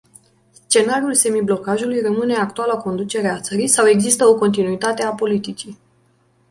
Scenariul semiblocajului rămâne actuala conducere a țării sau există o continuitate a politicii.